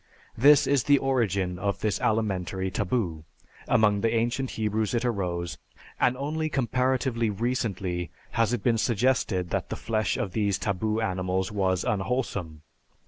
This is the origin of this alimentary taboo; among the ancient Hebrews it arose, and only comparatively recently has it been suggested that the flesh of these taboo animals was unwholesome.